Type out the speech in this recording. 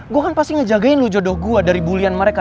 gue kan pasti ngejagain lu jodoh gue dari bulian mereka